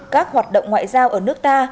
các hoạt động ngoại giao ở nước ta